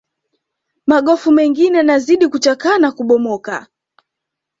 magofu mengine yanazidi kuchakaa na kubomoka